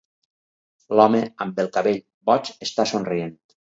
L'home amb el cabell boig està somrient.